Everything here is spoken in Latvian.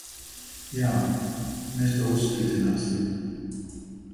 Jā. Mēs to uzspridzināsim.